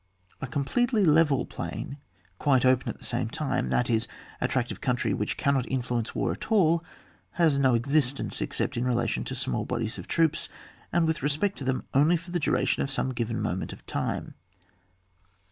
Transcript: A completely level plain, quite open at the same time, that is, a tract of country which cannot influence war at all, has no existence except in relation to smaU bodies of troops, and with respect to them only for the duration of some given moment of time.